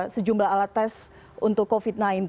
sejumlah alat tes untuk covid sembilan belas